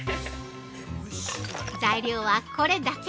材料はこれだけ！